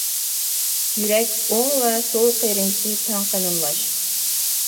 يۈرەك ئوڭ ۋە سول قېرىنچىسى تەڭ قېلىنلاش.